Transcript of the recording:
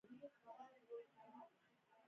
هغه ماته ډوډۍ راکړه او مرسته یې وکړه.